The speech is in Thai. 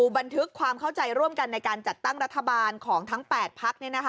บันทึกความเข้าใจร่วมกันในการจัดตั้งรัฐบาลของทั้ง๘พัก